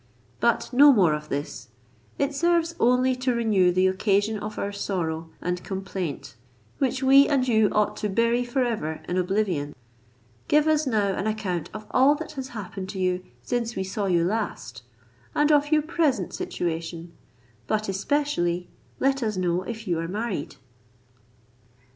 But no more of this; it serves only to renew the occasion of our sorrow and complaint, which we and you ought to bury forever in oblivion; give us now an account of all that has happened to you since we saw you last, and of your present situation, but especially let us know if you are married."